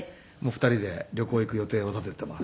２人で旅行へ行く予定を立てています。